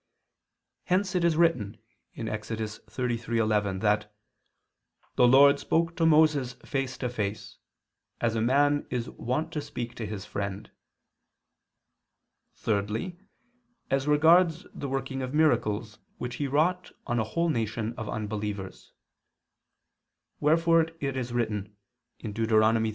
Hence it is written (Ex. 33:11) that "the Lord spoke to Moses face to face, as a man is wont to speak to his friend." Thirdly, as regards the working of miracles which he wrought on a whole nation of unbelievers. Wherefore it is written (Deut.